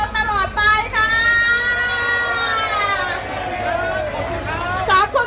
ขอบคุณครับ